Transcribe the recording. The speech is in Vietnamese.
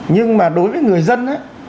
nhưng mà đối với người dân